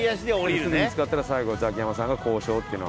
店見つかったら最後ザキヤマさんが交渉っていうのは。